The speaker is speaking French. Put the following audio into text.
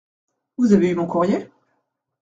Vous avez eu mon courrier ?